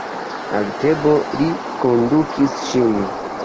Al Tebo li kondukis ŝin.